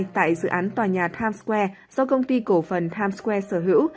tương lai tại dự án tòa nhà times square do công ty cổ phần times square sở hữu